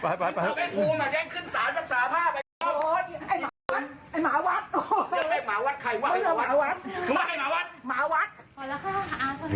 ไปไปไป